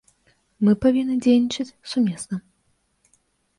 Мы павінны дзейнічаць сумесна.